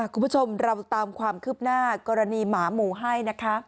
คุณผู้ชมเราตามความคืบหน้ากรณีหมาหมูให้นะคะ